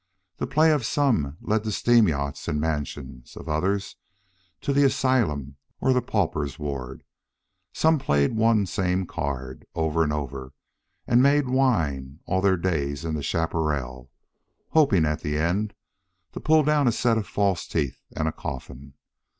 The play of some led to steam yachts and mansions; of others, to the asylum or the pauper's ward. Some played the one same card, over and over, and made wine all their days in the chaparral, hoping, at the end, to pull down a set of false teeth and a coffin.